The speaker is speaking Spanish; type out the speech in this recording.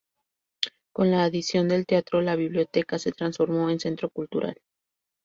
Con la adición del teatro, la biblioteca se transformó en Centro Cultural.